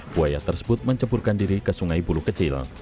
buaya tersebut menceburkan diri ke sungai bulu kecil